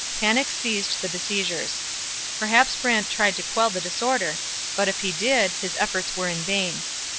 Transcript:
Panic seized the besiegers. Perhaps Brant tried to quell the disorder, but, if he did, his efforts were in vain.